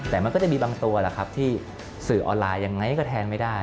แต่มันก็จะมีบางตัวแหละครับที่สื่อออนไลน์ยังไงก็แทนไม่ได้